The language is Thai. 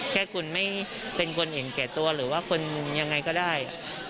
แค่คุณไม่เป็นคนเห็นแก่ตัวหรือว่าคนยังไงก็ได้